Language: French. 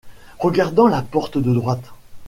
Regardant la porte de droite.